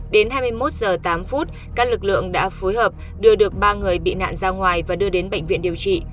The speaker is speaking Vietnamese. đến hai mươi một h tám các lực lượng đã phối hợp đưa được ba người bị nạn ra ngoài và đưa đến bệnh viện điều trị